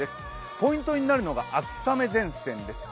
ポイントになるのが秋雨前線です。